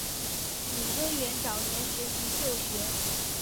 李根源早年学习旧学。